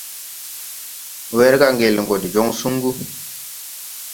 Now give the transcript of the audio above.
Wɛrga ŋgel gɔ de jɔŋ suŋgu.